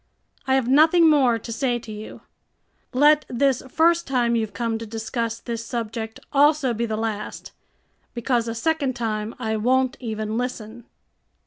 I have nothing more to say to you. Let this first time you've come to discuss this subject also be the last, because a second time I won't even listen."